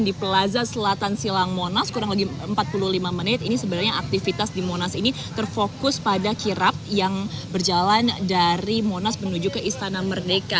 di plaza selatan silang monas kurang lebih empat puluh lima menit ini sebenarnya aktivitas di monas ini terfokus pada kirap yang berjalan dari monas menuju ke istana merdeka